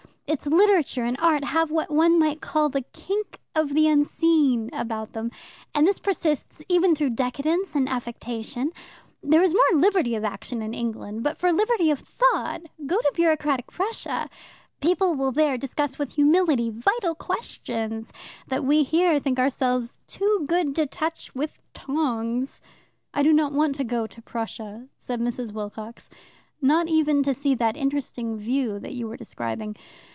Its Literature and Art have what one might call the kink of the unseen about them, and this persists even through decadence and affectation. There is more liberty of action in England, but for liberty of thought go to bureaucratic Prussia. People will there discuss with humility vital questions that we here think ourselves too good to touch with tongs." "I do not want to go to Prussian" said Mrs. Wilcox "not even to see that interesting view that you were describing.